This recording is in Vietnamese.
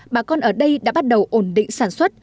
bà con ở đây đã bắt đầu ổn định sản xuất